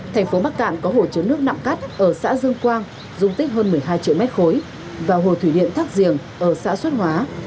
thành phố bắc cạn có hồ chứa nước nặng cắt ở xã dương quang dung tích hơn một mươi hai triệu mét khối và hồ thủy điện thác giềng ở xã xuất hóa